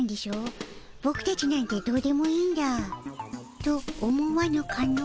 ボクたちなんてどうでもいいんだ」と思わぬかの？